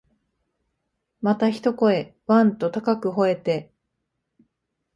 また一声、わん、と高く吠えて、